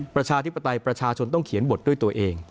ประชาธิปไตยประชาชนต้องเขียนบทด้วยตัวเอง